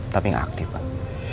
tapi gak aktif pak